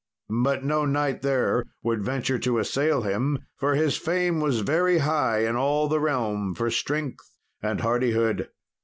But no knight there would venture to assail him, for his fame was very high in all the realm for strength and hardihood.